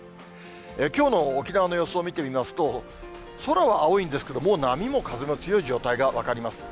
きょうの沖縄の様子を見てみますと、空は青いんですけれども、もう波も風も強い状態が分かります。